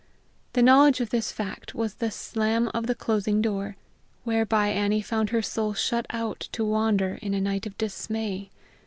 The knowledge of this fact was the slam of the closing door, whereby Annie found her soul shut out to wander in a night of dismay.